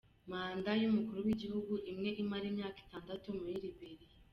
Manda y’umukuru w’igihugu imwe imara imyaka itandatu muri Liberia.